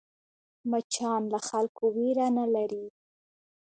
مچان له خلکو وېره نه لري